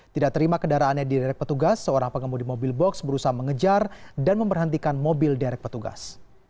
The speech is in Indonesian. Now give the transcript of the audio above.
tidak terima kendaraannya di derek petugas seorang pengemudi mobil box berusaha mengejar dan memberhentikan mobil derek petugas